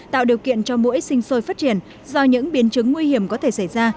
tạo điều kiện cho mũi sinh sôi phát triển do những biến chứng nguy hiểm có thể xảy ra